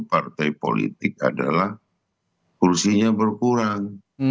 partai politik adalah kursinya berkurang